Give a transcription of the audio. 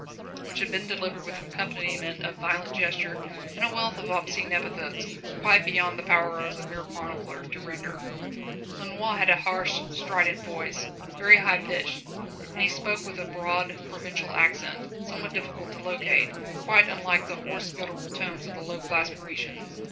Thunderous applause greeted this peroration, which had been delivered with an accompaniment of violent gestures and a wealth of obscene epithets, quite beyond the power of the mere chronicler to render. Lenoir had a harsh, strident voice, very high pitched, and he spoke with a broad, provincial accent, somewhat difficult to locate, but quite unlike the hoarse, guttural tones of the low class Parisian.